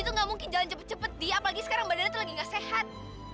nggak mungkin jalan cepet cepet dia apalagi sekarang badannya lagi nggak sehat